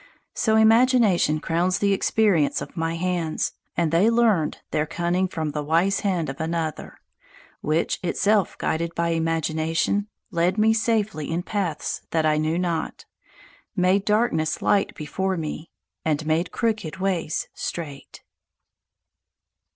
So imagination crowns the experience of my hands. And they learned their cunning from the wise hand of another, which, itself guided by imagination, led me safely in paths that I knew not, made darkness light before me, and made crooked ways straight.